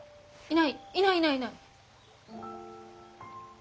いないいないいない！